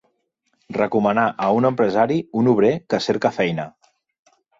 Recomanar a un empresari un obrer que cerca feina.